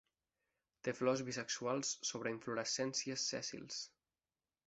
Té flors bisexuals sobre inflorescències sèssils.